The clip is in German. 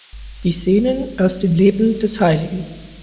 Die Szenen aus dem Leben des hl.